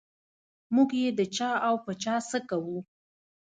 موږ یې د چا او په چا څه کوو.